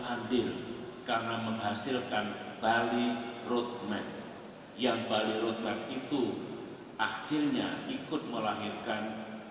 andil karena menghasilkan bali roadmap yang bali roadmap itu akhirnya ikut melahirkan